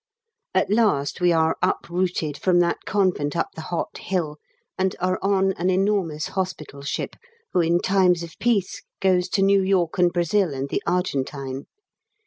_ At last we are uprooted from that convent up the hot hill and are on an enormous hospital ship, who in times of peace goes to New York and Brazil and the Argentine.